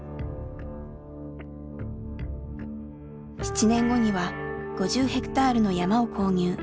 ７年後には５０ヘクタールの山を購入。